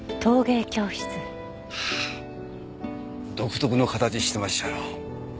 独特の形してますやろ。